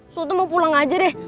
soto mau pulang aja deh